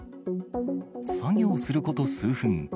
作業すること数分。